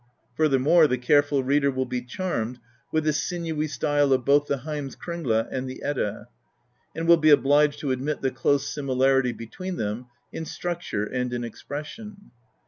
Furthermore, the careful reader will be charmed with the sinewy style of both the Heimskringla and the Edda^ and will be obliged to admit the close similarity between them in structure and in ex pression.